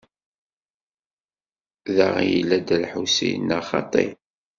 Da i yella Dda Lḥusin, neɣ xaṭi?